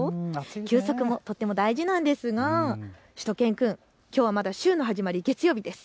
休息もとっても大事なんですがしゅと犬くん、きょうはまだ週の始まり、月曜日です。